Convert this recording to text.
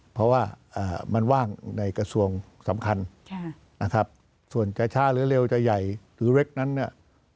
เพราะว่ามันว่างในกระทรวงสำคัญนะครับส่วนจะช้าหรือเร็วจะใหญ่หรือเล็กนั้นเนี่ย